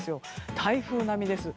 台風並みです。